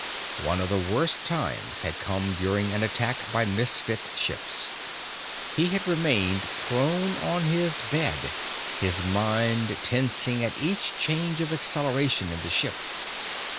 One of the worst times had come during an attack by Misfit ships. He had remained prone on his bed, his mind tensing at each change of acceleration in the ship.